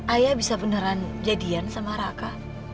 ayah bisa beneran jadian sama raka